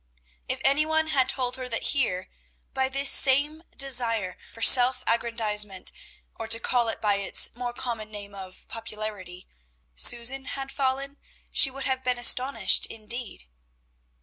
If any one had told her that here, by this same desire for self aggrandizement, or, to call it by its more common name of popularity, Susan had fallen, she would have been astonished indeed.